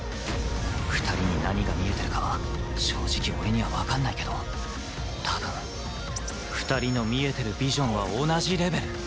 ２人に何が見えてるかは正直俺にはわかんないけど多分２人の見えてるビジョンは同じレベル！